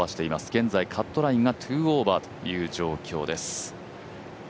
現在、カットラインが２オーバーという状況です。